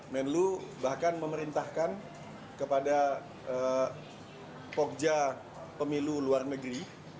menlu bahkan memerintahkan kepada pogja pemilu luar negeri